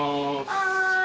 はい。